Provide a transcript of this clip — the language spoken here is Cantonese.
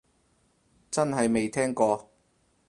真係未聽過